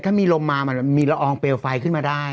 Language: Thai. ถ้ามีลมมามันมีละอองเปลวไฟขึ้นมาได้